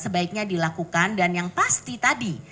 sebaiknya dilakukan dan yang pasti tadi